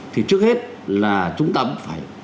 thì trước hết là chúng ta cũng phải